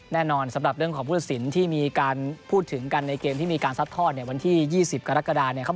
แน่นอนสำหรับเรื่องของผู้ตัดสินที่มีการพูดถึงกันในเกมที่มีการซัดทอดเนี่ยวันที่๒๐กรกฎาเนี่ย